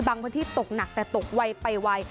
พื้นที่ตกหนักแต่ตกไวไปไว